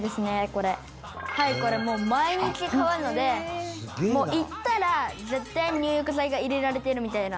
「これもう毎日変わるのでもう行ったら絶対入浴剤が入れられてるみたいな」